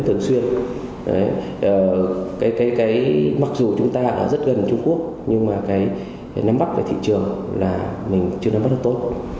thường xuyên mặc dù chúng ta rất gần trung quốc nhưng mà nắm bắt thị trường là mình chưa nắm bắt được tốt